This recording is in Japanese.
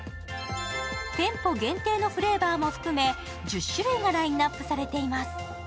店舗限定のフレーバーも含め１０種類がラインナップされています。